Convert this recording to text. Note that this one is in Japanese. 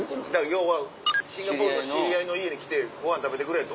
要はシンガポールの知り合いの家に来てご飯食べてくれと。